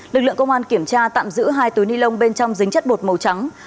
lực lượng công an kiểm tra tạm giữ hai túi nilon bên trong dính chất bột màu trắng